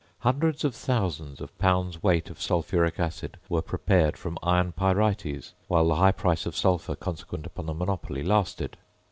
Hundreds of thousands of pounds weight of sulphuric acid were prepared from iron pyrites, while the high price of sulphur consequent upon the monopoly lasted.